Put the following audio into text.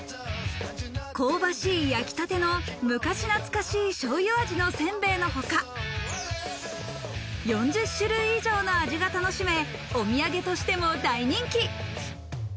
香ばしい焼きたての昔懐かしい醤油味のせんべいのほか、４０種類以上の味が楽しめ、お土産としても大人気。